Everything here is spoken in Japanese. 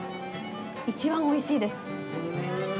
一番おいしいです。